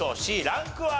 Ｃランクは？